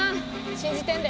信じてんで。